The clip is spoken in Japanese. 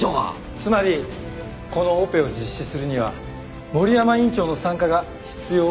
つまりこのオペを実施するには森山院長の参加が必要不可欠なんです。